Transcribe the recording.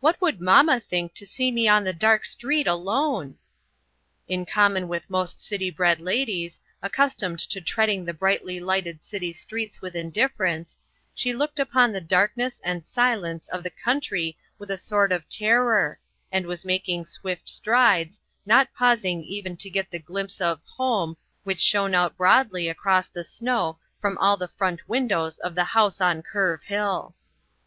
What would mamma think to see me on the dark street alone ?" In common with most city bred ladies, accustomed to treading the brightly lighted city streets with indifference, she looked upon the darkness and silence of the coun try with a sort of terror, and was making swift strides, not pausing even to get the glimpse of " home " which shone out broadly across the snow from all the front windows of the house on Curve Hill.